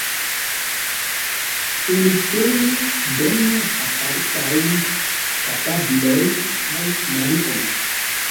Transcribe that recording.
Ili ĉiuj donas apartajn kapablojn al Mario.